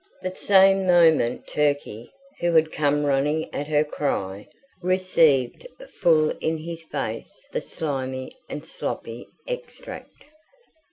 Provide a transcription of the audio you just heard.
The same moment Turkey, who had come running at her cry, received full in his face the slimy and sloppy extract.